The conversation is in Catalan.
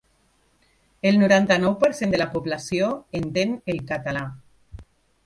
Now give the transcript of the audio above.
El noranta-nou per cent de la població entén el català.